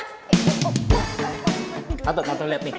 tante tante liat nih